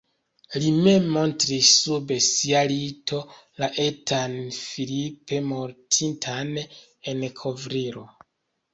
Li mem montris sub sia lito la etan Philippe mortintan en kovrilo.